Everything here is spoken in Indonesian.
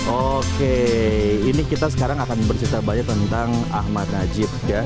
oke ini kita sekarang akan bercerita banyak tentang ahmad najib ya